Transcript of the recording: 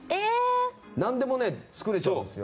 何でも作れちゃうんですよ。